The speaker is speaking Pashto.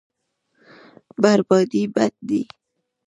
بربادي بد دی.